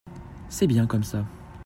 c'est bien comme ça.